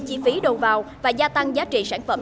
chi phí đầu vào và gia tăng giá trị sản phẩm